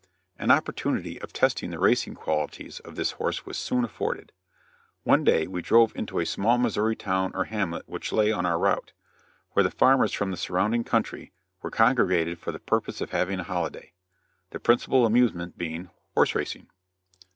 An opportunity of testing the racing qualities of the horse was soon afforded. One day we drove into a small Missouri town or hamlet which lay on our route, where the farmers from the surrounding country were congregated for the purpose of having a holiday the principal amusement being horse racing.